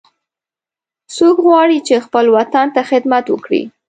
څوک غواړي چې خپل وطن ته خدمت وکړي